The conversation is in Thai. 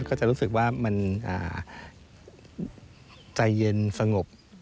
ก็จะรู้สึกว่ามันใจเย็นสงบ